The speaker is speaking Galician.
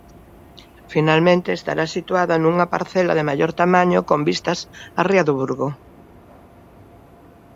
Finalmente, estará situada nunha parcela de maior tamaño con vistas á ría do Burgo.